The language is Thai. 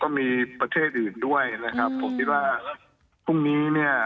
มีประเทศอื่นด้วยนะครับผมคิดว่าพรุ่งนี้เนี่ย